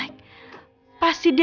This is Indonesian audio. saya akan berdoa sama dia